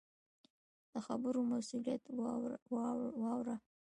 د خبرو مسؤلیت واوره.